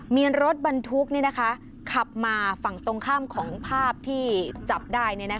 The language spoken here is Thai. มีรถบรรทุกนี่นะคะขับมาฝั่งตรงข้ามของภาพที่จับได้นี่นะคะ